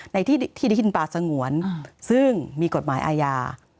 ในที่ดินป่าสงวนซึ่งมีกฎหมายอาญา